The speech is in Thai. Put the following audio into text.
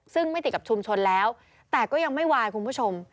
ซึ่งไม่ติดกับชุมชนแล้วแต่ก็ยังไม่วายคุณผู้ชม